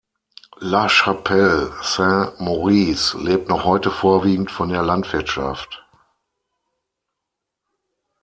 La Chapelle-Saint-Maurice lebt noch heute vorwiegend von der Landwirtschaft.